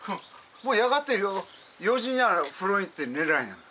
もうやがてよ４時には風呂行って寝らにゃんと。